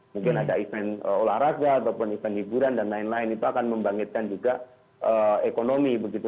mungkin ada event olahraga ataupun event hiburan dan lain lain itu akan membangkitkan juga ekonomi begitu